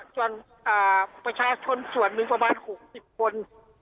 ส่วนประชาชนส่วนหนึ่งประมาณ๖๐คน